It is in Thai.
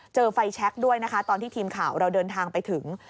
เจอไฟแช็คด้วยนะคะตอนที่ทีมข่าวเราเดินทางไปถึง